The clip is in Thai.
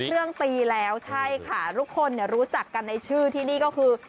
เรื่องตีแล้วใช่ค่ะทุกคนรู้จักกันในชื่อที่นี่ก็คือ